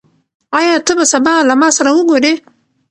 آيا ته به سبا له ما سره وګورې؟